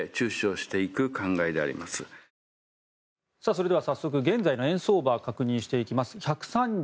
それでは早速現在の円相場を確認していきます。